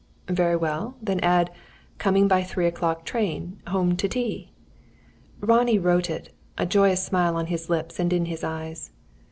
"Very well, then add: Coming by 3 o'clock train. Home to tea." Ronnie wrote it a joyous smile on his lips and in his eyes.